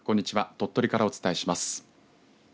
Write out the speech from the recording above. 鳥取からお伝えします。